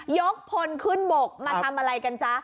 พลขึ้นบกมาทำอะไรกันจ๊ะ